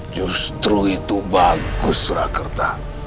justru itu bagus surakerta